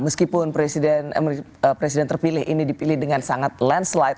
meskipun presiden terpilih ini dipilih dengan sangat landslide